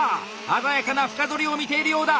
鮮やかな深ぞりを見ているようだ！